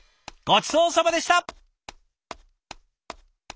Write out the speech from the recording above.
ごちそうさまでした！